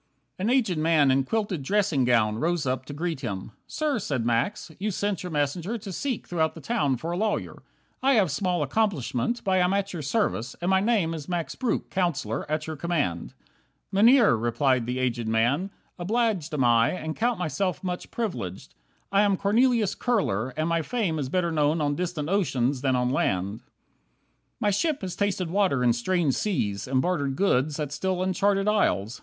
9 An aged man in quilted dressing gown Rose up to greet him. "Sir," said Max, "you sent Your messenger to seek throughout the town A lawyer. I have small accomplishment, But I am at your service, and my name Is Max Breuck, Counsellor, at your command." "Mynheer," replied the aged man, "obliged Am I, and count myself much privileged. I am Cornelius Kurler, and my fame Is better known on distant oceans than on land. 10 My ship has tasted water in strange seas, And bartered goods at still uncharted isles.